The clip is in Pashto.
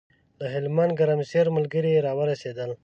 له هلمند ګرمسېره ملګري راورسېدل.